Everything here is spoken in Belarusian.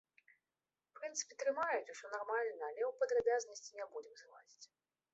У прынцыпе, трымаюць, усё нармальна, але ў падрабязнасці не будзем залазіць.